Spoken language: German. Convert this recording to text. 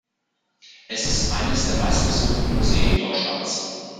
Es ist eines der meistbesuchten Museen Deutschlands.